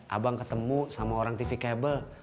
abang ketemu sama orang tv kabel